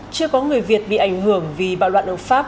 chưa có người việt bị ảnh hưởng vì bạo loạn ở pháp